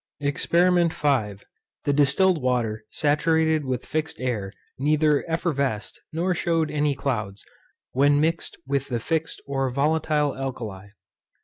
EXPERIMENT V. The distilled water saturated with fixed air neither effervesced, nor shewed any clouds, when mixed with the fixed or volatile alkali.